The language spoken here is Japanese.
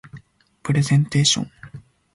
プレゼンテーション